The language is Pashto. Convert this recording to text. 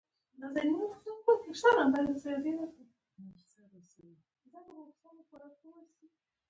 له دغې خوارۍ څخه خلاص کړي.